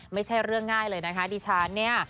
ไม่ใช่เรื่องง่ายเลยนะคะดิฉันเนี่ย